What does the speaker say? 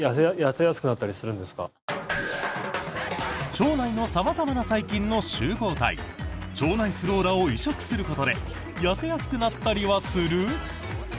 腸内の様々な最近の集合体腸内フローラを移植することで痩せやすくなったりはする？